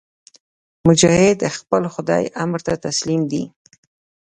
مجاهد د خپل خدای امر ته تسلیم دی.